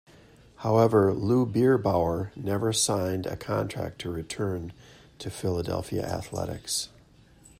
However Lou Bierbauer never signed a contract to return to Philadelphia Athletics.